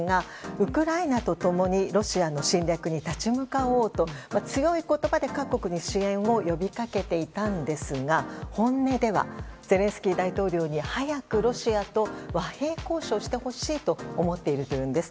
ウクライナと共にロシアの侵略に立ち向かおうと強い言葉で各国に支援を呼びかけていたんですが本音では、ゼレンスキー大統領に早くロシアと和平交渉してほしいと思っているというんです。